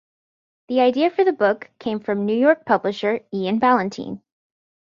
The idea for the book came from New York publisher Ian Ballantine.